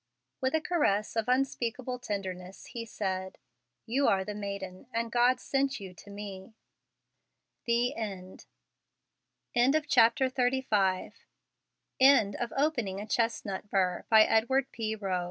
With a caress of unspeakable tenderness he said, "You are the maiden, and God sent you to me." THE END End of the Project Gutenberg EBook of Opening a Chestnut Burr, by E. P. Roe